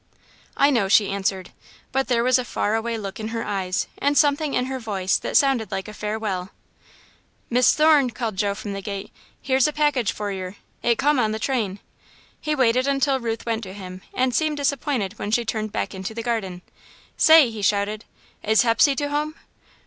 "I know," she answered, but there was a far away look in her eyes, and something in her voice that sounded like a farewell. "Miss Thorne," called Joe from the gate, "here's a package for yer. It come on the train." He waited until Ruth went to him and seemed disappointed when she turned back into the garden. "Say," he shouted, "is Hepsey to home?"